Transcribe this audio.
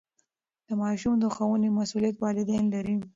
د ماشوم د ښوونې مسئولیت والدین لري.